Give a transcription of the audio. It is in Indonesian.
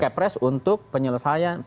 perpres untuk penyelesaian